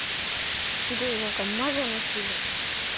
すごいなんかまじょのきぶん！？